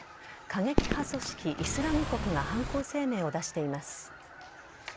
過激派組織・イスラム国が犯行声明を出しています。